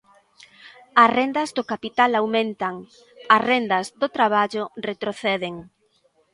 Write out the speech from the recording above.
As rendas do capital aumentan, as rendas do traballo retroceden.